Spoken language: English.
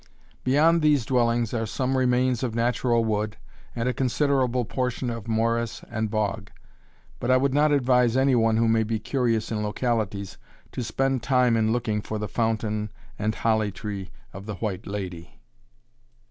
Beyond these dwellings are some remains of natural wood, and a considerable portion of morass and bog; but I would not advise any who may be curious in localities, to spend time in looking for the fountain and holly tree of the White Lady.